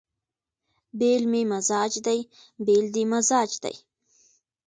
بېل مې مزاج دی بېل دې مزاج دی